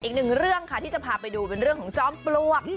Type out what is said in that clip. อีกหนึ่งเรื่องค่ะที่จะพาไปดูเป็นเรื่องของจอมปลวก